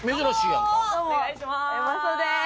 お願いします